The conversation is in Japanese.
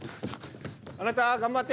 あなた頑張って！